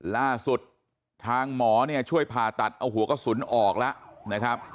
ล่าสุดทางหมอช่วยผ่าตัดเอาหัวกระสุนออกแล้ว